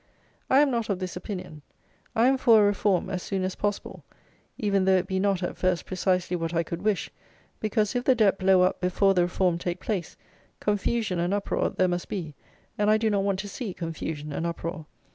I am not of this opinion: I am for a reform as soon as possible, even though it be not, at first, precisely what I could wish; because, if the debt blow up before the reform take place, confusion and uproar there must be; and I do not want to see confusion and uproar.